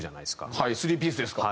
はい３ピースですから。